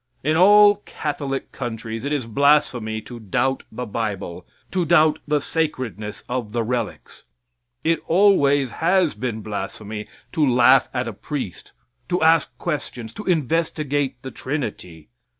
In all Catholic countries it is blasphemy to doubt the bible, to doubt the sacredness of the relics. It always has been blasphemy to laugh at a priest, to ask questions, to investigate the Trinity.